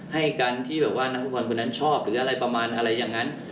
ให้การที่แบบว่านักฟุตบอลคนนั้นชอบหรืออะไรประมาณอะไรอย่างนั้น